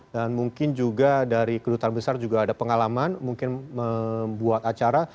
dan mungkin juga dari kedutaan besar juga ada pengalaman mungkin membuat acara